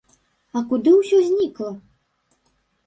А куды ўсё знікла?